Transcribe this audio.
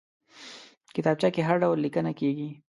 کتابچه کې هر ډول لیکنه کېږي